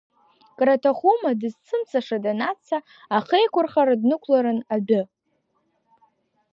Краҭахума, дызцымцаша данацца, ахеиқәырхара днықәларын адәы.